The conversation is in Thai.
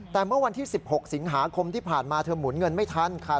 แต่เมื่อวันที่๑๖สิงหาคมที่ผ่านมาเธอหมุนเงินไม่ทันค่ะ